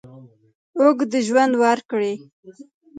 اوږد ژوند ورکړي.